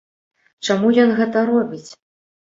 Чаму ён гэта робіць?